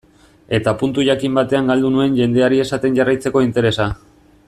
Eta puntu jakin batean galdu nuen jendeari esaten jarraitzeko interesa.